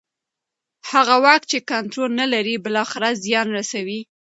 هغه واک چې کنټرول نه لري بالاخره زیان رسوي